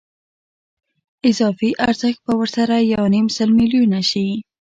اضافي ارزښت به ورسره یو نیم سل میلیونه شي